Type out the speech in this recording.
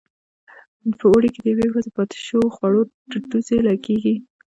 په اوړي کې د یوې ورځې پاتې شو خوړو ډډوزې لګېږي.